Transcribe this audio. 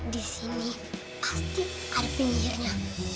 di sini pasti ada penyihirnya